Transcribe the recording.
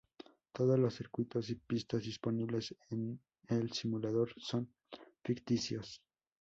Todos los circuitos y pistas disponibles en el simulador son ficticios.